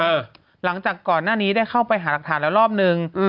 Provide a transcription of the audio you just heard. หลังจากก่อนหน้านี้ได้เข้าไปหารักฐานแล้วรอบนึง